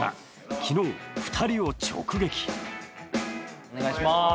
昨日、２人を直撃。